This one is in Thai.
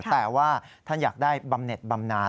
แต่ว่าท่านอยากได้บำเน็ตบำนาน